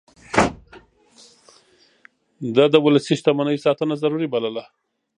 ده د ولسي شتمنيو ساتنه ضروري بلله.